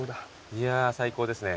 いやぁ最高ですね。